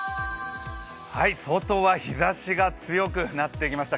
外は日ざしが強くなってきました。